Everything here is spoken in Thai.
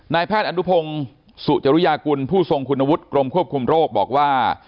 แพทย์อนุพงศ์สุจริยากุลผู้ทรงคุณวุฒิกรมควบคุมโรคบอกว่า